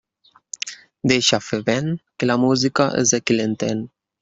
Deixa fer vent, que la música és de qui l'entén.